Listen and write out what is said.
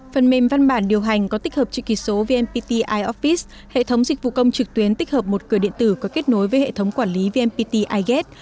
phần mềm văn bản điều hành có tích hợp chữ ký số vnpt ioffice hệ thống dịch vụ công trực tuyến tích hợp một cửa điện tử có kết nối với hệ thống quản lý vnpt iget